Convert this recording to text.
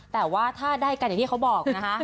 แต่ว่าถ้าได้กันอย่างที่เขาบอกนะคะ